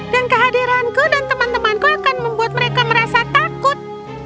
dan kehadiranku dan teman temanku akan membuat mereka merasa takut